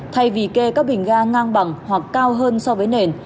thay vì kê các bình ga ngang bằng hoặc cao hơn so với nền